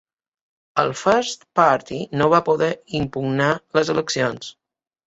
El First Party no va poder impugnar les eleccions.